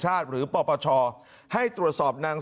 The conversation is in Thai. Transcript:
คุณสิริกัญญาบอกว่า๖๔เสียง